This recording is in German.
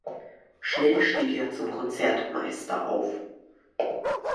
Schnell stieg er zum Konzertmeister auf.